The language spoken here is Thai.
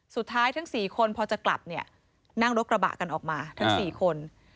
ทั้ง๔คนพอจะกลับเนี่ยนั่งรถกระบะกันออกมาทั้ง๔คน